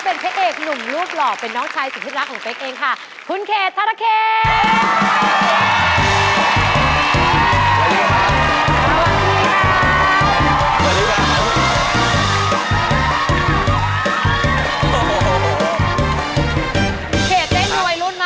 เห็นเต้นในวัยรุ่นมากแล้ว